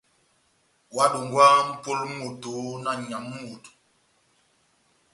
Óhádongwaha mʼpolo mú moto na nyamu mú moto.